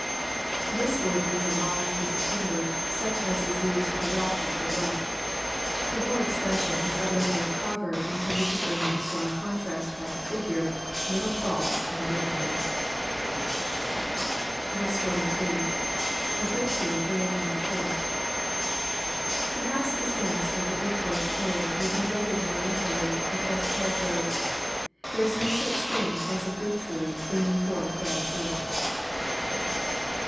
] This word means a large piece of timber, such as is used for the rafter of a roof. The whole expression is evidently a proverb intended to bring into strong contrast by a figure, little faults and great ones. 43. — [A good tree bringeth not forth.] Perhaps the sense of the G reek words here would be rendered more literally, if thus paraphrased, " There is no such thing as a good tree bringing forth bad fruit."